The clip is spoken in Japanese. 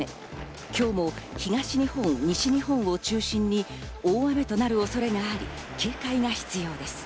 今日も東日本、西日本を中心に大雨となる恐れがあり、警戒が必要です。